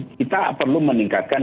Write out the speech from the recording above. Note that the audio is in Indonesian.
kita perlu meningkatkan